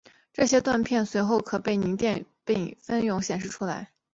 这些片断随后可被凝胶电泳分开并显示出来。